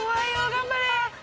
頑張れ。